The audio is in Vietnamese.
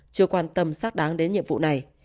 chưa quan tâm sắc đáng đến nhiệm vụ này